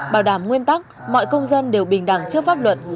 bảo đảm nguyên tắc mọi công dân đều bình đẳng trước pháp luật